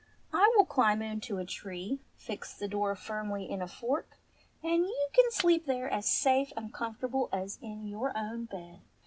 "I will climb into a tree, fix the door firmly in a fork, and you can sleep there as safe and comfortable as in your own bed."